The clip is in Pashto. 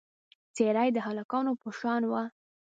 څېره یې د هلکانو په شان وه.